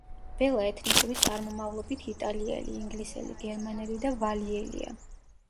ბელა ეთნიკური წარმომავლობით იტალიელი, ინგლისელი, გერმანელი და ვალიელია.